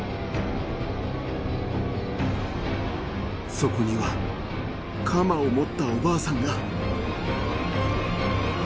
そこには鎌を持ったおばあさんが。